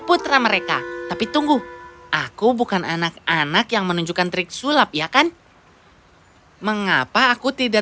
putra mereka tapi tunggu aku bukan anak anak yang menunjukkan trik sulap ya kan mengapa aku tidak